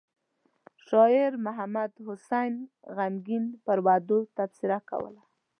شاعر محمد حسين غمګين پر وعدو تبصره کوله.